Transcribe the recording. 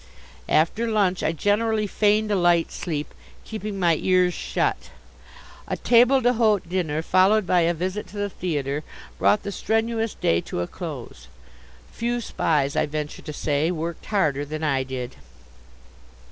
After lunch I generally feigned a light sleep, keeping my ears shut. A table d'hote dinner, followed by a visit to the theatre, brought the strenuous day to a close. Few Spies, I venture to say, worked harder than I did.